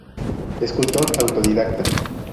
Escultor autodidacta.